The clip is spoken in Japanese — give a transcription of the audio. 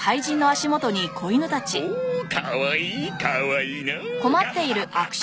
おかわいいかわいいなあ！